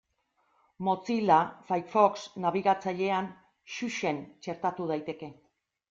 Mozilla Firefox nabigatzailean Xuxen txertatu daiteke.